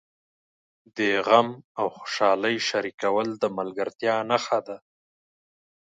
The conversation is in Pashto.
د غم او خوشالۍ شریکول د ملګرتیا نښه ده.